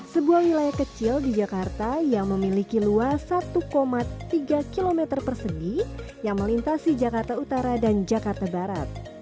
sebuah wilayah kecil di jakarta yang memiliki luas satu tiga km persegi yang melintasi jakarta utara dan jakarta barat